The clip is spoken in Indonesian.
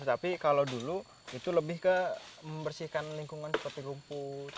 tapi kalau dulu itu lebih ke membersihkan lingkungan seperti rumput